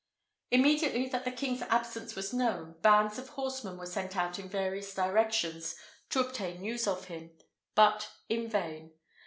Immediately that the king's absence was known, bands of horsemen were sent out in various directions to obtain news of him, but in vain.